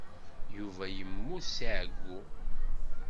Yuba yemmut seg ɛeyyu.